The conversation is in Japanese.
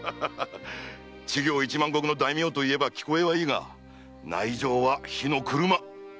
知行一万石の大名といえば聞こえはいいが内情は火の車。